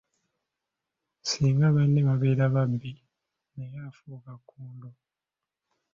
Singa banne babeera babbi naye afuuka kkondo.